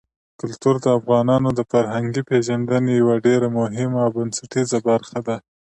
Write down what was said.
کلتور د افغانانو د فرهنګي پیژندنې یوه ډېره مهمه او بنسټیزه برخه ده.